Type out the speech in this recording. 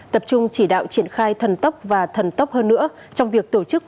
tập trung chỉ đạo triển khai thần tốc và thần tốc hơn nữa trong việc tổ chức